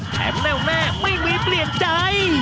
แม่วแม่ไม่มีเปลี่ยนใจ